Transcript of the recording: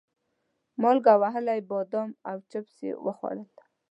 مالګه وهلي بادام او چپس مې وخوړل.